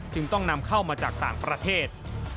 จึงต้องนำเข้ามาจากต่างประเทศ